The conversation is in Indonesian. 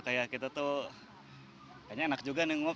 kayak gitu tuh kayaknya enak juga nih nguap